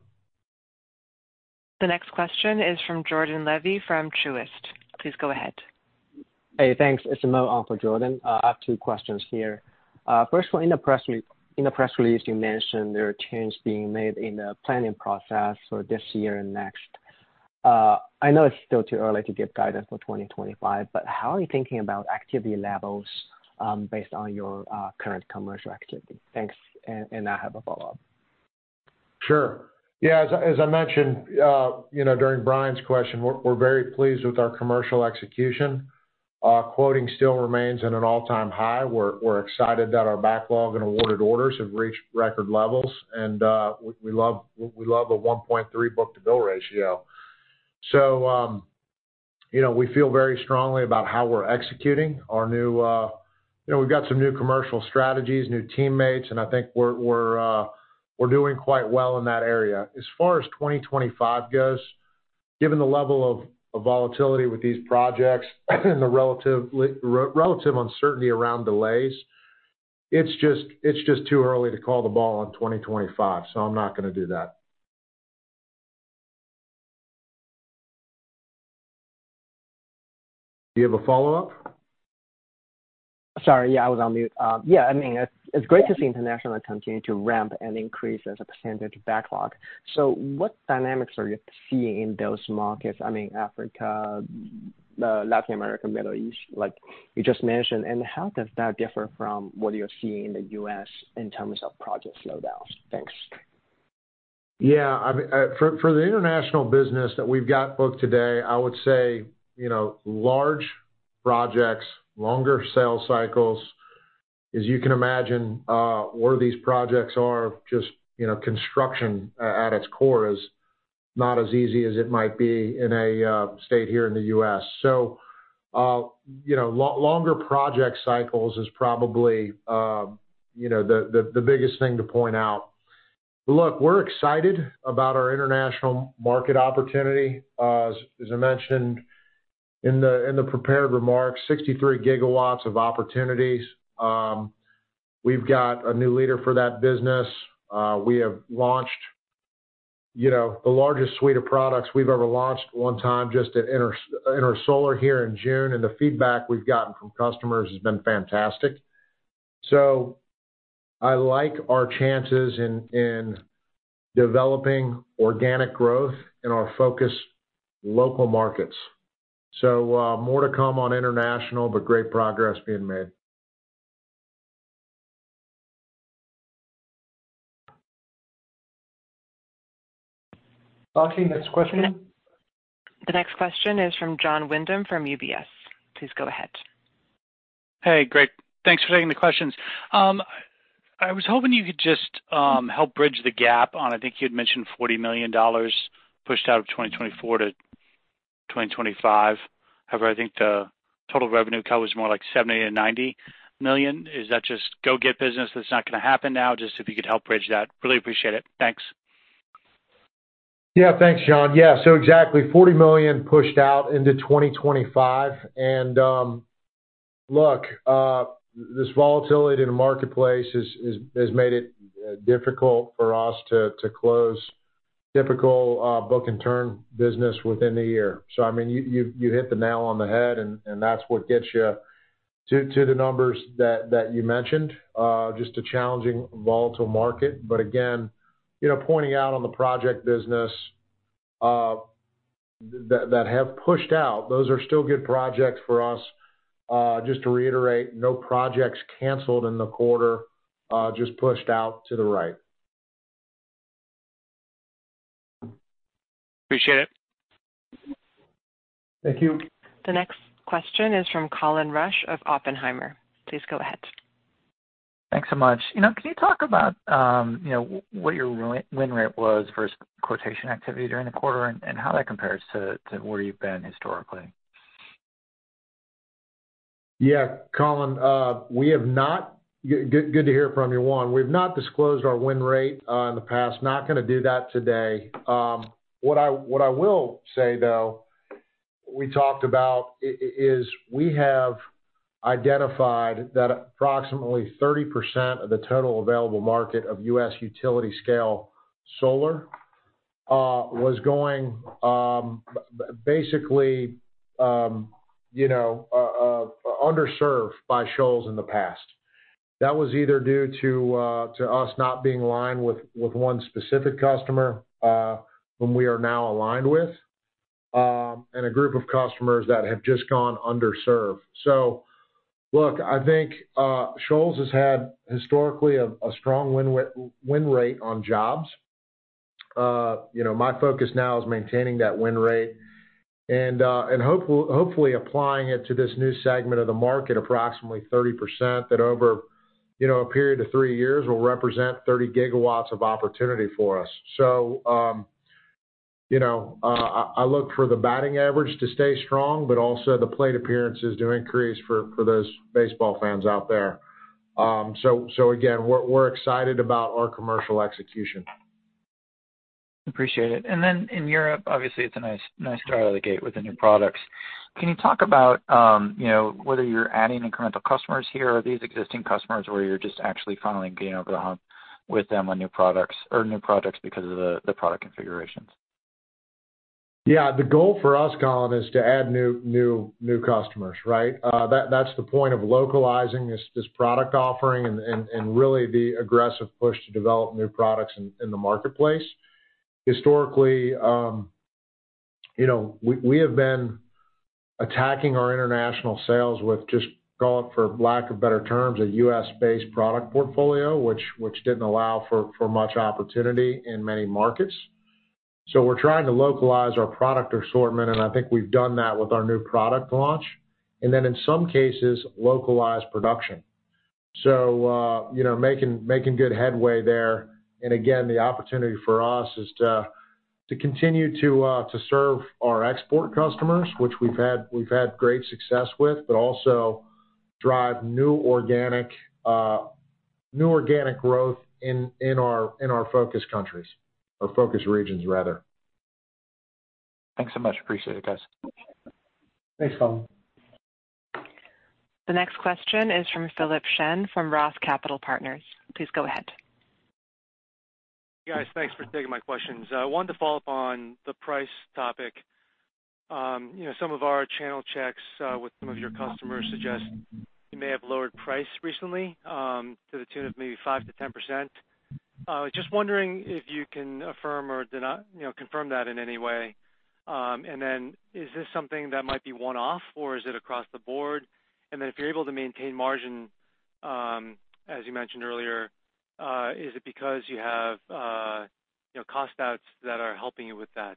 The next question is from Jordan Levy from Truist. Please go ahead. Hey, thanks. It's Mo on for Jordan. I have two questions here. First one, in the press release, you mentioned there are changes being made in the planning process for this year and next. I know it's still too early to give guidance for 2025, but how are you thinking about activity levels, based on your current commercial activity? Thanks, and, and I have a follow-up. Sure. Yeah, as I, as I mentioned, you know, during Brian's question, we're, we're very pleased with our commercial execution. Quoting still remains at an all-time high. We're, we're excited that our backlog and awarded orders have reached record levels, and, we, we love, we love a 1.3 book-to-bill ratio. So, you know, we feel very strongly about how we're executing our new. You know, we've got some new commercial strategies, new teammates, and I think we're, we're, we're doing quite well in that area. As far as 2025 goes, given the level of volatility with these projects and the relative uncertainty around delays, it's just too early to call the ball on 2025, so I'm not gonna do that. Do you have a follow-up? Sorry, yeah, I was on mute. Yeah, I mean, it's great to see international continue to ramp and increase as a percentage of backlog. So what dynamics are you seeing in those markets? I mean, Africa, Latin America, Middle East, like you just mentioned, and how does that differ from what you're seeing in the U.S. in terms of project slowdowns? Thanks. Yeah, I mean, for the international business that we've got booked today, I would say, you know, large projects, longer sales cycles. As you can imagine, where these projects are just, you know, construction at its core is not as easy as it might be in a state here in the U.S. So, you know, longer project cycles is probably, you know, the biggest thing to point out. Look, we're excited about our international market opportunity. As I mentioned in the prepared remarks, 63 gigawatts of opportunities. We've got a new leader for that business. We have launched, you know, the largest suite of products we've ever launched one time just at Intersolar here in June, and the feedback we've gotten from customers has been fantastic. So I like our chances in developing organic growth in our focus local markets. So, more to come on international, but great progress being made. Operator, next question. The next question is from Jon Windham from UBS. Please go ahead. Hey, great. Thanks for taking the questions. I was hoping you could just help bridge the gap on, I think you'd mentioned $40 million pushed out of 2024 to 2025. However, I think the total revenue cover was more like $70 million-$90 million. Is that just go-get business that's not gonna happen now? Just if you could help bridge that. Really appreciate it. Thanks. Yeah, thanks, Jon. Yeah, so exactly $40 million pushed out into 2025. And, look, this volatility in the marketplace has made it difficult for us to close typical book-and-turn business within the year. So I mean, you hit the nail on the head, and that's what gets you to the numbers that you mentioned. Just a challenging, volatile market. But again, you know, pointing out on the project business that have pushed out, those are still good projects for us. Just to reiterate, no projects canceled in the quarter, just pushed out to the right. Appreciate it. Thank you. The next question is from Colin Rusch of Oppenheimer. Please go ahead. Thanks so much. You know, can you talk about, you know, what your win rate was versus quotation activity during the quarter, and how that compares to where you've been historically? Yeah, Colin, we have not... Good, good to hear from you, one. We've not disclosed our win rate in the past. Not gonna do that today. What I will say, though, we talked about is, we have identified that approximately 30% of the total available market of U.S. utility-scale solar was going basically, you know, underserved by Shoals in the past. That was either due to us not being aligned with one specific customer, whom we are now aligned with, and a group of customers that have just gone underserved. So, look, I think Shoals has had historically a strong win rate on jobs. You know, my focus now is maintaining that win rate and hopefully applying it to this new segment of the market, approximately 30%, that over, you know, a period of three years will represent 30 gigawatts of opportunity for us. So, you know, I look for the batting average to stay strong, but also the plate appearances to increase for those baseball fans out there. So again, we're excited about our commercial execution.... Appreciate it. And then in Europe, obviously, it's a nice, nice start out of the gate with the new products. Can you talk about, you know, whether you're adding incremental customers here? Are these existing customers where you're just actually finally getting over the hump with them on new products or new projects because of the product configurations? Yeah, the goal for us, Colin, is to add new customers, right? That's the point of localizing this product offering and really the aggressive push to develop new products in the marketplace. Historically, you know, we have been attacking our international sales with just, call it, for lack of better terms, a U.S.-based product portfolio, which didn't allow for much opportunity in many markets. So we're trying to localize our product assortment, and I think we've done that with our new product launch, and then in some cases, localized production. So, you know, making good headway there. And again, the opportunity for us is to continue to serve our export customers, which we've had, we've had great success with, but also drive new organic growth in our focus countries, or focus regions, rather. Thanks so much. Appreciate it, guys. Thanks, Colin. The next question is from Philip Shen from ROTH Capital Partners. Please go ahead. Guys, thanks for taking my questions. I wanted to follow up on the price topic. You know, some of our channel checks with some of your customers suggest you may have lowered price recently to the tune of maybe 5%-10%. Just wondering if you can affirm or deny—you know, confirm that in any way. And then is this something that might be one-off, or is it across the board? And then if you're able to maintain margin as you mentioned earlier is it because you have you know, cost outs that are helping you with that?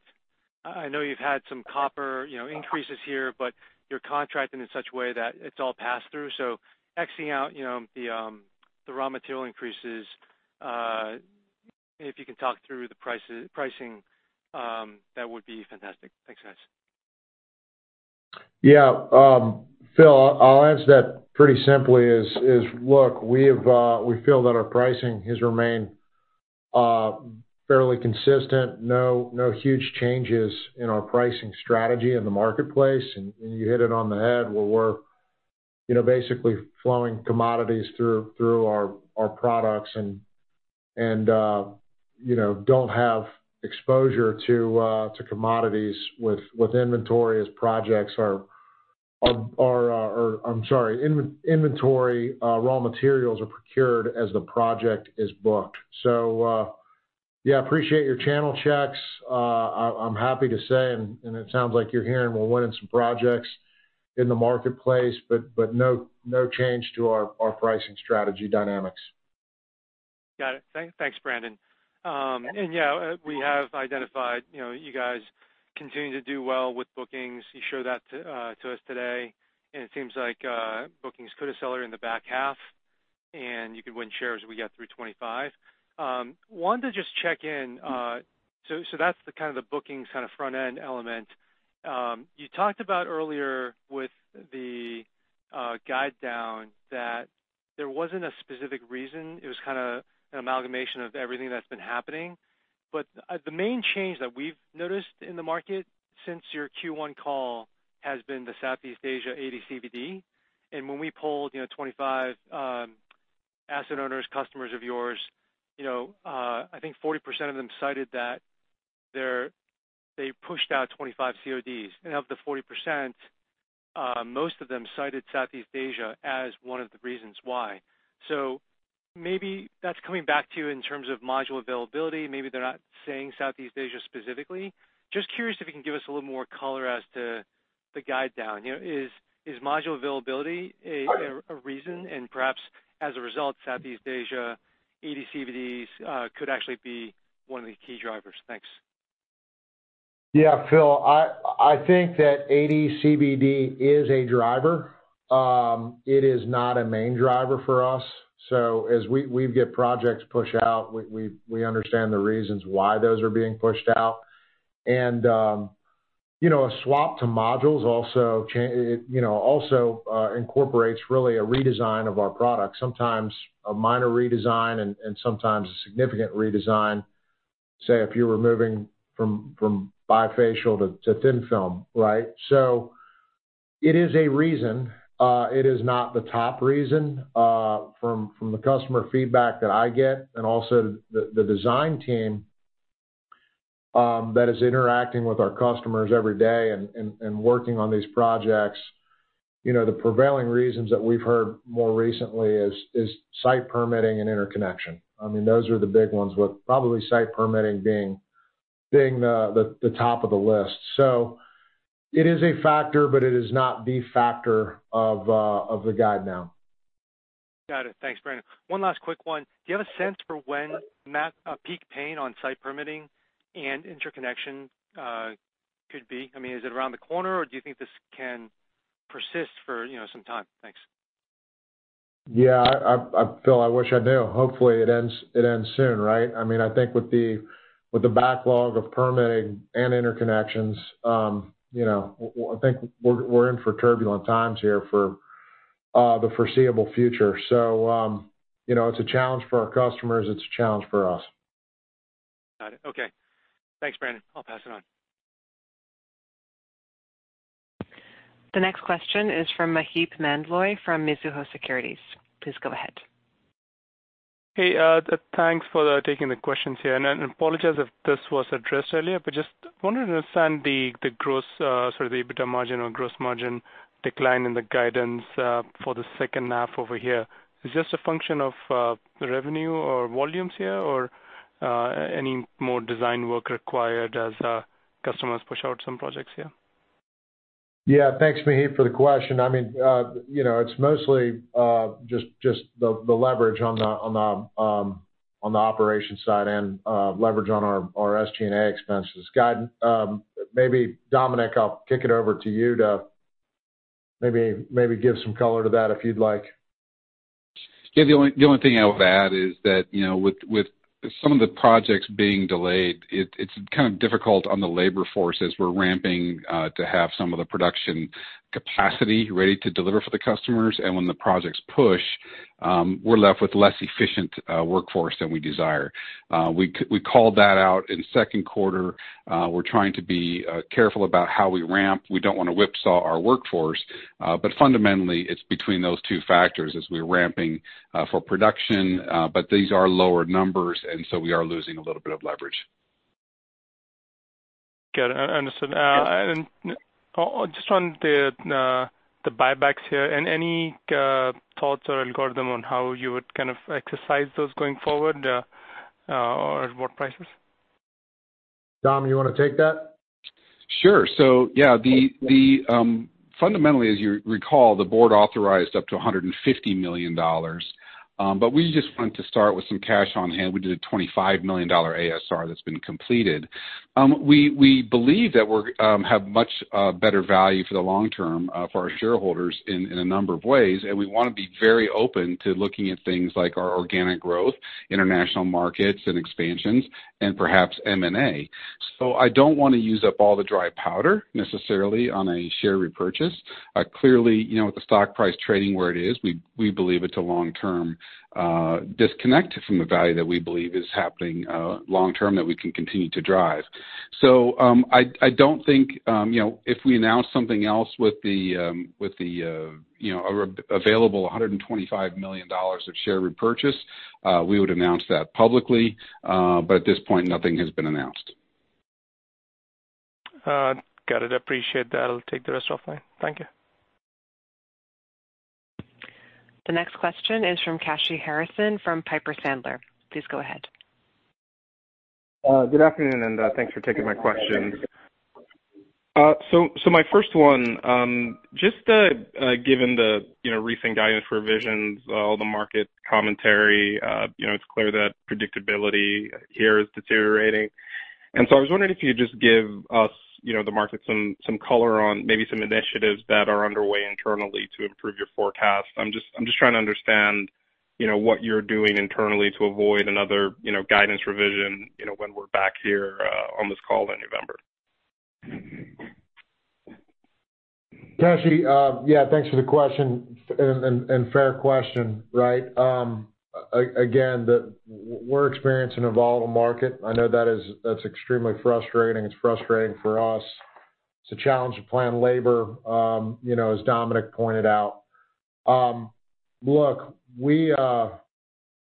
I know you've had some copper you know, increases here, but you're contracting in such a way that it's all passed through. So, exing out, you know, the raw material increases, if you can talk through the pricing, that would be fantastic. Thanks, guys. Yeah, Phil, I'll answer that pretty simply. Look, we feel that our pricing has remained fairly consistent. No huge changes in our pricing strategy in the marketplace. And you hit it on the head, where we're, you know, basically flowing commodities through our products and, you know, don't have exposure to commodities with inventory as projects are or I'm sorry, in-inventory raw materials are procured as the project is booked. So, yeah, appreciate your channel checks. I'm happy to say, and it sounds like you're hearing we're winning some projects in the marketplace, but no change to our pricing strategy dynamics. Got it. Thanks, Brandon. And yeah, we have identified, you know, you guys continuing to do well with bookings. You showed that to us today, and it seems like bookings could accelerate in the back half, and you could win shares as we get through 2025. Wanted to just check in, so that's the kind of the bookings kind of front-end element. You talked about earlier with the guide down that there wasn't a specific reason. It was kind of an amalgamation of everything that's been happening. But the main change that we've noticed in the market since your Q1 call has been the Southeast Asia ADCVD. And when we polled 25 asset owners, customers of yours, you know, I think 40% of them cited that they pushed out 2025 CODs. And of the 40%, most of them cited Southeast Asia as one of the reasons why. So maybe that's coming back to you in terms of module availability. Maybe they're not saying Southeast Asia specifically. Just curious if you can give us a little more color as to the guide down. You know, is module availability a reason? And perhaps as a result, Southeast Asia, ADCVDs, could actually be one of the key drivers. Thanks. Yeah, Phil, I think that ADCVD is a driver. It is not a main driver for us. So as we get projects pushed out, we understand the reasons why those are being pushed out. And, you know, a swap to modules also, it, you know, also incorporates really a redesign of our product, sometimes a minor redesign and sometimes a significant redesign, say, if you were moving from bifacial to thin film, right? So it is a reason, it is not the top reason, from the customer feedback that I get and also the design team that is interacting with our customers every day and working on these projects. You know, the prevailing reasons that we've heard more recently is site permitting and interconnection. I mean, those are the big ones, with probably site permitting being the top of the list. So it is a factor, but it is not the factor of the guide now. Got it. Thanks, Brandon. One last quick one. Do you have a sense for when peak pain on site permitting and interconnection could be? I mean, is it around the corner, or do you think this can persist for, you know, some time? Thanks. Yeah, Phil, I wish I knew. Hopefully, it ends soon, right? I mean, I think with the backlog of permitting and interconnections, you know, I think we're in for turbulent times here for the foreseeable future. So, you know, it's a challenge for our customers, it's a challenge for us. Got it. Okay. Thanks, Brandon. I'll pass it on. The next question is from Maheep Mandloi from Mizuho Securities. Please go ahead. Hey, thanks for taking the questions here, and I apologize if this was addressed earlier, but just wanted to understand the gross, sorry, the EBITDA margin or gross margin decline in the guidance for the second half over here. Is this a function of the revenue or volumes here, or any more design work required as customers push out some projects here? Yeah. Thanks, Maheep, for the question. I mean, you know, it's mostly just the leverage on the operations side and leverage on our SG&A expenses. Guidance, maybe Dominic, I'll kick it over to you to maybe give some color to that, if you'd like. Yeah, the only thing I would add is that, you know, with some of the projects being delayed, it's kind of difficult on the labor force as we're ramping to have some of the production capacity ready to deliver for the customers. And when the projects push, we're left with less efficient workforce than we desire. We called that out in second quarter. We're trying to be careful about how we ramp. We don't want to whipsaw our workforce, but fundamentally, it's between those two factors as we're ramping for production. But these are lower numbers, and so we are losing a little bit of leverage. Good. Understood. And just on the buybacks here, and any thoughts or algorithm on how you would kind of exercise those going forward, or what prices? Dom, you want to take that? Sure. So yeah, fundamentally, as you recall, the board authorized up to $150 million, but we just wanted to start with some cash on hand. We did a $25 million ASR that's been completed. We believe that we're have much better value for the long term, for our shareholders in a number of ways, and we want to be very open to looking at things like our organic growth, international markets and expansions, and perhaps M&A. So I don't want to use up all the dry powder necessarily on a share repurchase. Clearly, you know, with the stock price trading where it is, we believe it's a long-term disconnect from the value that we believe is happening long term, that we can continue to drive. I don't think, you know, if we announce something else with the available $125 million of share repurchase, we would announce that publicly. But at this point, nothing has been announced. Got it. Appreciate that. I'll take the rest offline. Thank you. The next question is from Kashy Harrison from Piper Sandler. Please go ahead. Good afternoon, and thanks for taking my question. So my first one, just given the, you know, recent guidance revisions, all the market commentary, you know, it's clear that predictability here is deteriorating. And so I was wondering if you could just give us, you know, the market some color on maybe some initiatives that are underway internally to improve your forecast. I'm just trying to understand, you know, what you're doing internally to avoid another, you know, guidance revision, you know, when we're back here on this call in November. Kashy, yeah, thanks for the question. And fair question, right? Again, we're experiencing a volatile market. I know that is-- that's extremely frustrating. It's frustrating for us. It's a challenge to plan labor, you know, as Dominic pointed out. Look, we are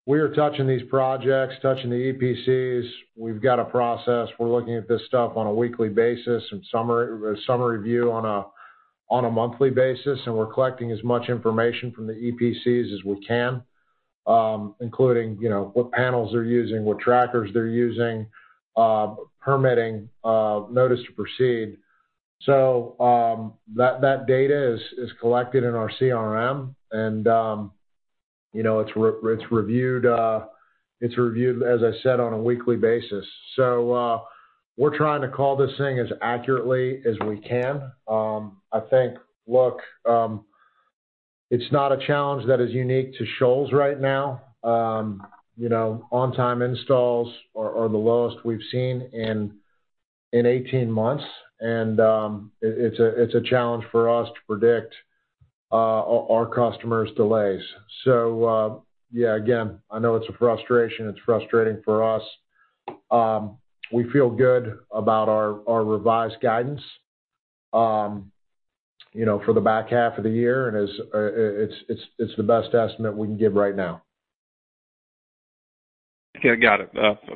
touching these projects, touching the EPCs. We've got a process. We're looking at this stuff on a weekly basis and summary view on a monthly basis, and we're collecting as much information from the EPCs as we can, including, you know, what panels they're using, what trackers they're using, permitting, notice to proceed. So, that data is collected in our CRM, and, you know, it's reviewed, as I said, on a weekly basis. So, we're trying to call this thing as accurately as we can. I think, look, it's not a challenge that is unique to Shoals right now. You know, on-time installs are the lowest we've seen in 18 months, and it's a challenge for us to predict our customers' delays. So, yeah, again, I know it's a frustration. It's frustrating for us. We feel good about our revised guidance, you know, for the back half of the year, and it's the best estimate we can give right now. Yeah, got it.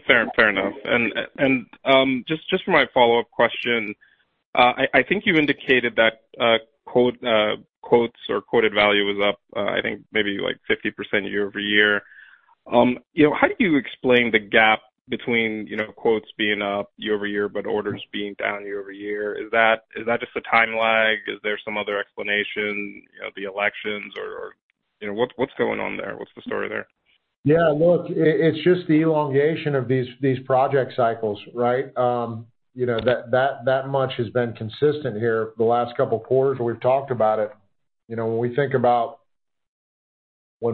Fair enough. And just for my follow-up question, I think you indicated that quote, quotes or quoted value was up, I think maybe like 50% year-over-year. You know, how do you explain the gap between, you know, quotes being up year-over-year, but orders being down year-over-year? Is that just a time lag? Is there some other explanation, you know, the elections or, you know, what's going on there? What's the story there? Yeah, look, it's just the elongation of these project cycles, right? You know, that much has been consistent here the last couple of quarters, and we've talked about it. You know, when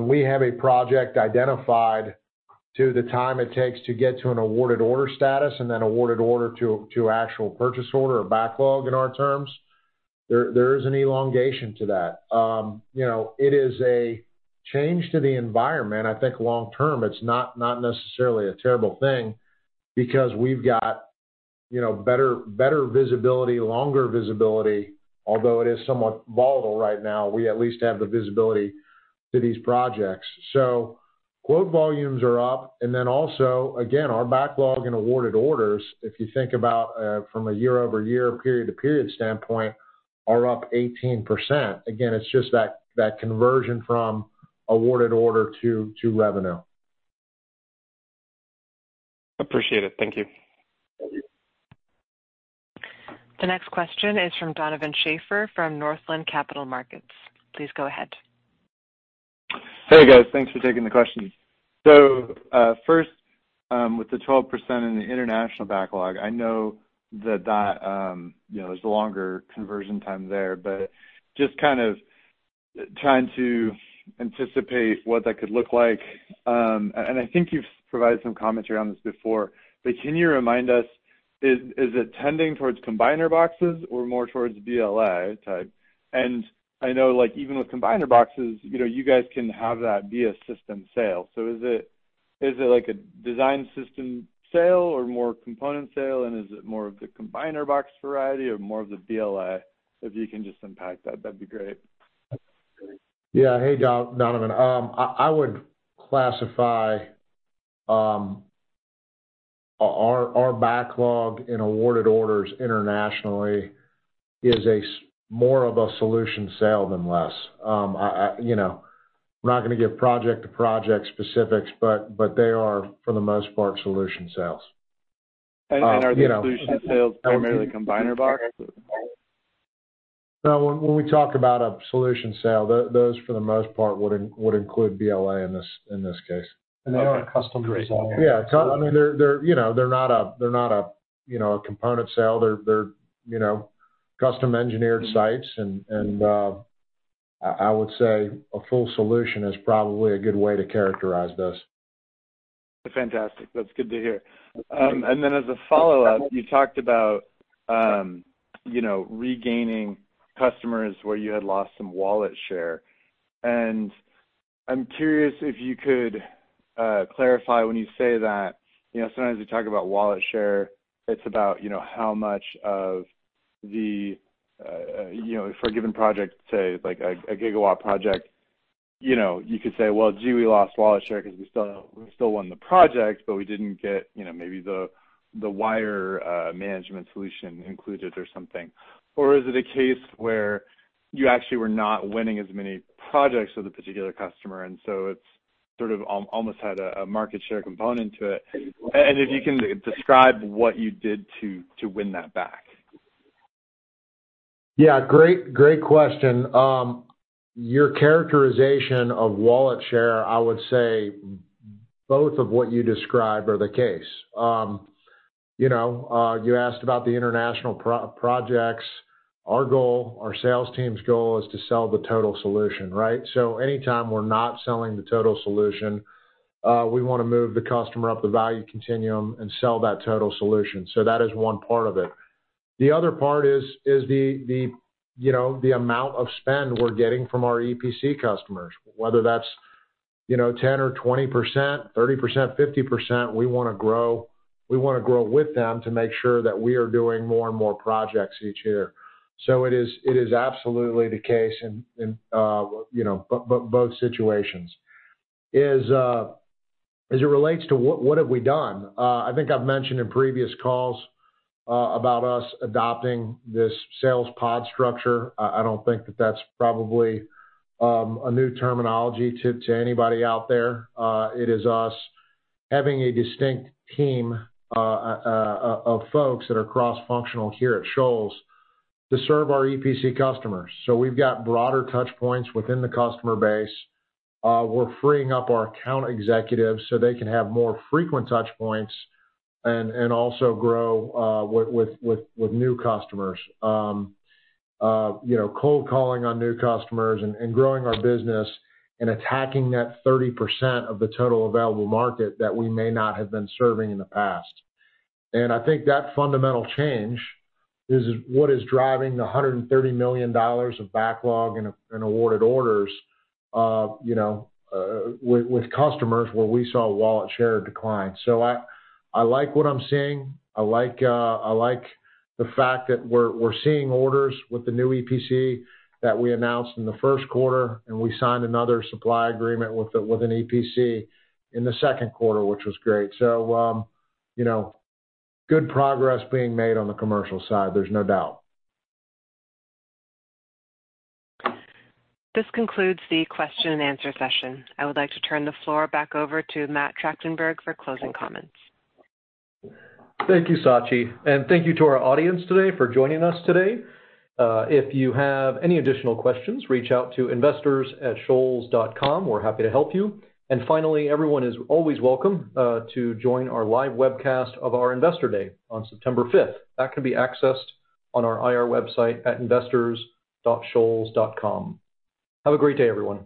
we have a project identified to the time it takes to get to an awarded order status, and then awarded order to actual purchase order or backlog in our terms, there is an elongation to that. You know, it is a change to the environment. I think long term, it's not necessarily a terrible thing because we've got, you know, better visibility, longer visibility, although it is somewhat volatile right now, we at least have the visibility to these projects. Quote volumes are up, and then also, again, our backlog in awarded orders, if you think about, from a year-over-year, period-to-period standpoint, are up 18%. Again, it's just that conversion from awarded order to revenue. Appreciate it. Thank you. Thank you. The next question is from Donovan Schafer from Northland Capital Markets. Please go ahead. Hey, guys. Thanks for taking the questions. So, first, with the 12% in the international backlog, I know that that, you know, there's a longer conversion time there, but just kind of trying to anticipate what that could look like. And I think you've provided some commentary on this before, but can you remind us, is it tending towards combiner boxes or more towards BLA type? And I know, like, even with combiner boxes, you know, you guys can have that be a system sale. So is it like a design system sale or more component sale? And is it more of the combiner box variety or more of the BLA? So if you can just unpack that, that'd be great. Yeah. Hey, Donovan. I would classify our backlog in awarded orders internationally as more of a solution sale than less. You know, I'm not gonna give project to project specifics, but they are, for the most part, solution sales. You know- Are the solution sales primarily combiner box? No, when we talk about a solution sale, those, for the most part, would include BLA in this case. And they are custom designed. Yeah, I mean, they're, you know, they're not a, you know, a component sale. They're, you know, custom-engineered sites. And I would say a full solution is probably a good way to characterize this. Fantastic. That's good to hear. And then as a follow-up, you talked about, you know, regaining customers where you had lost some wallet share. And I'm curious if you could clarify when you say that, you know, sometimes you talk about wallet share, it's about, you know, how much of the, you know, for a given project, say, like a gigawatt project, you know, you could say, "Well, gee, we lost wallet share because we still, we still won the project, but we didn't get, you know, maybe the, the wire management solution included or something." Or is it a case where you actually were not winning as many projects with a particular customer, and so it's sort of almost had a market share component to it? And if you can describe what you did to win that back. Yeah, great, great question. Your characterization of wallet share, I would say both of what you described are the case. You know, you asked about the international projects. Our goal, our sales team's goal is to sell the total solution, right? So anytime we're not selling the total solution, we wanna move the customer up the value continuum and sell that total solution. So that is one part of it. The other part is the, you know, the amount of spend we're getting from our EPC customers, whether that's, you know, 10% or 20%, 30%, 50%, we wanna grow. We wanna grow with them to make sure that we are doing more and more projects each year. So it is absolutely the case in both situations. As it relates to what have we done? I think I've mentioned in previous calls about us adopting this sales pod structure. I don't think that that's probably a new terminology to anybody out there. It is us having a distinct team of folks that are cross-functional here at Shoals to serve our EPC customers. So we've got broader touch points within the customer base. We're freeing up our account executives so they can have more frequent touch points and also grow with new customers. You know, cold calling on new customers and growing our business and attacking that 30% of the total available market that we may not have been serving in the past. I think that fundamental change is what is driving the $130 million of backlog and awarded orders, you know, with customers where we saw wallet share decline. So I like what I'm seeing. I like the fact that we're seeing orders with the new EPC that we announced in the first quarter, and we signed another supply agreement with an EPC in the second quarter, which was great. So, you know, good progress being made on the commercial side. There's no doubt. This concludes the question and answer session. I would like to turn the floor back over to Matt Trachtenberg for closing comments. Thank you, Sachi, and thank you to our audience today for joining us today. If you have any additional questions, reach out to investors@shoals.com. We're happy to help you, and finally, everyone is always welcome to join our live webcast of our Investor Day on September fifth. That can be accessed on our IR website at investors.shoals.com. Have a great day, everyone.